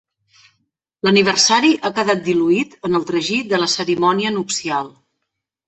L'aniversari ha quedat dil·luït en el tragí de la cerimònia nupcial.